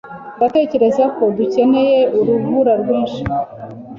Ndatekereza ko dukeneye urubura rwinshi.